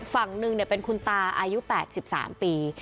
ฝั่งหนึ่งเป็นคุณตาอายุ๘๓ปี